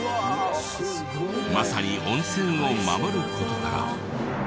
まさに温泉を守る事から。